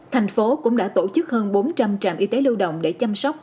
thành phố cũng đã tổ chức hơn bốn trăm linh trạm y tế lưu động để chăm sóc